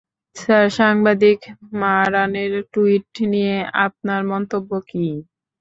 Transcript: Sir, সাংবাদিক মারানের tweet নিয়ে আপনার মন্তব্য কী?